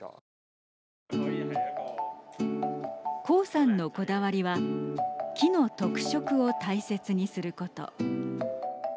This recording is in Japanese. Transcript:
黄さんのこだわりは木の特色を大切にすること。